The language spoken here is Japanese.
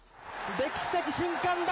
歴史的瞬間だ。